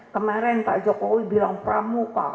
kemarin pak jokowi bilang pramuka